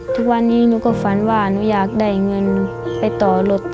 ทุกวันนี้หนูก็ฝันว่าหนูอยากได้เงินไปต่อรถ